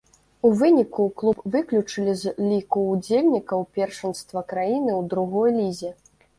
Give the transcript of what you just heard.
У выніку, клуб выключылі з ліку ўдзельнікаў першынства краіны ў другой лізе.